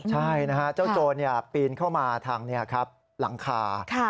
ใช่นะฮะเจ้าโจรปีนเข้ามาทางหลังคา